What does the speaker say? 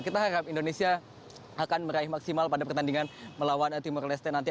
kita harap indonesia akan meraih maksimal pada pertandingan melawan timur leste nanti